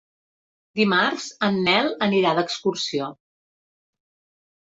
Dimarts en Nel anirà d'excursió.